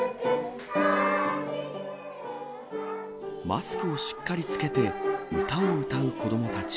マスクをしっかり着けて、歌を歌う子どもたち。